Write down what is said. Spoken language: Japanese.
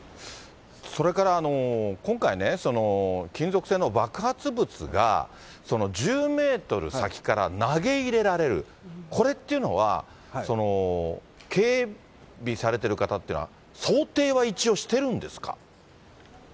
それから、今回ね、金属製の爆発物が１０メートル先から投げ入れられる、これっていうのは、警備されてる方っていうのは、想定は一応してるんですか？